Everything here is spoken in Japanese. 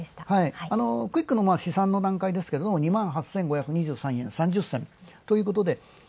クイックの資産の段階ですが２８５３０円３０銭。